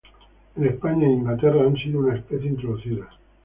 En España e Inglaterra han sido una especie introducida.